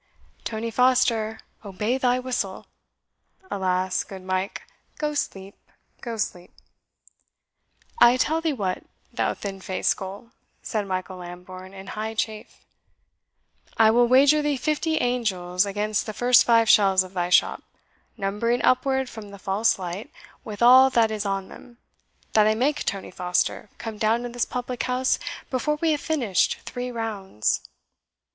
"Tony Foster obey thy whistle! Alas! good Mike, go sleep go sleep." "I tell thee what, thou thin faced gull," said Michael Lambourne, in high chafe, "I will wager thee fifty angels against the first five shelves of thy shop, numbering upward from the false light, with all that is on them, that I make Tony Foster come down to this public house before we have finished three rounds."